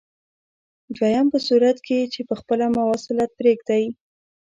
دویم په صورت کې چې په خپله مواصلت پرېږدئ.